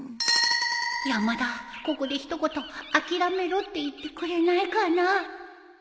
山田ここでひと言諦めろって言ってくれないかな